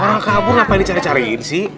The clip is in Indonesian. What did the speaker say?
orang kabur ngapain dicari cariin sih